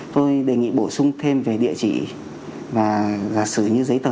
tôi đề nghị bổ sung thêm về địa chỉ và giả sử như giấy tờ